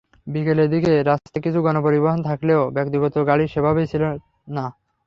বিকেলের দিকে রাস্তায় কিছু গণপরিবহন থাকলেও ব্যক্তিগত গাড়িই সেভাবে ছিল না।